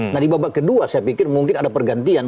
nah di babak kedua saya pikir mungkin ada pergantian